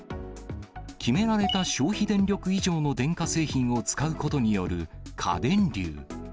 決められた消費電力以上の電化製品を使うことによる過電流。